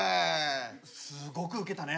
すごくウケたね。